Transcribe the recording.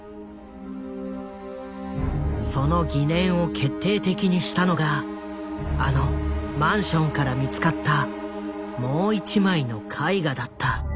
その疑念を決定的にしたのがあのマンションから見つかったもう１枚の絵画だった。